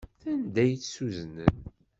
Sanda ay tt-uznen?